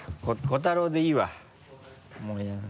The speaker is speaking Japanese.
瑚太郎でいいわ。